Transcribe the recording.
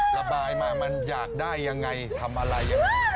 ระบายมามันอยากได้ยังไงทำอะไร